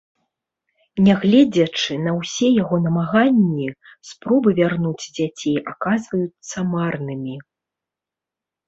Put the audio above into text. Нягледзячы на ўсе яго намаганні, спробы вярнуць дзяцей аказваюцца марнымі.